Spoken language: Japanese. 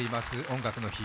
「音楽の日」。